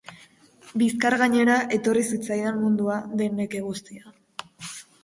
Bizkar gainera etorri zitzaidan munduan den neke guztia.